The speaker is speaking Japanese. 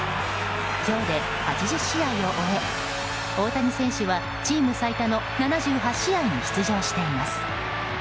今日で８０試合を終え大谷選手はチーム最多の７８試合に出場しています。